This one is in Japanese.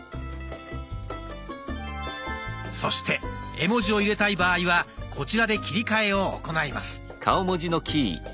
そして絵文字を入れたい場合はこちらで切り替えを行います。